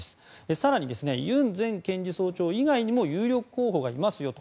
更に、ユン前検事総長以外にも有力候補がいますよと。